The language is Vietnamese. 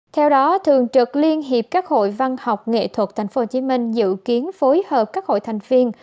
theo đó thường trực liên hiệp các hội văn học nghệ thuật tp hcm dự kiến phối hợp các hội thành viên